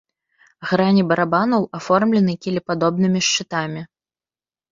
Грані барабанаў аформлены кілепадобнымі шчытамі.